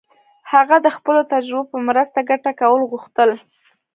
هغه د خپلو تجربو په مرسته ګټه کول غوښتل.